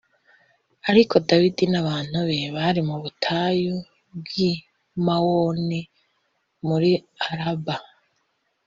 Ariko Dawidi n’abantu be bari mu butayu bw’i Mawoni muri Araba